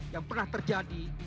yang pernah terjadi